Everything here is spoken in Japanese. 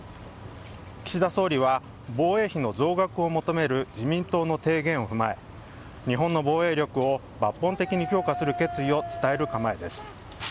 岸田総理は、防衛費の増額を求める自民党の提言を踏まえ、日本の防衛力を抜本的に強化する決意を伝える構えです。